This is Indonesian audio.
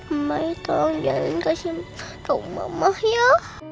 om baik tolong jangan kasih tau mama ya